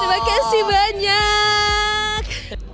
terima kasih banyak